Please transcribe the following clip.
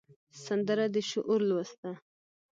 سندره د شعور لوست ده